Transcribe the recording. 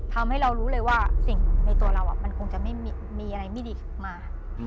ทำให้รู้เลยว่ามีอะไรดีมา